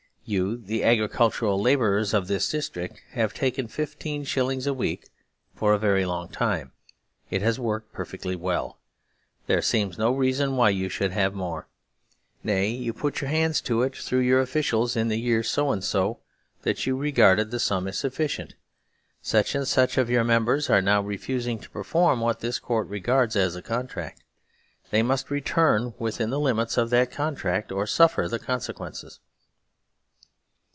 " You, the agricultural labourers of this district, have taken fifteen shillings a week for a very long time. It has worked perfectly well. There seems no reason why you should have more. Nay, you putyour hands to it through your officials in the year so and so that you regarded that sum as sufficient. Such and such of your members are now refusing to perform what this Court regards as a contract. They must return 174 SERVILE STATE HAS BEGUN within the limits of that contract or suffer the con sequences."